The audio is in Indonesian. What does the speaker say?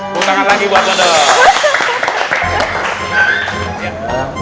tepuk tangan lagi buat anda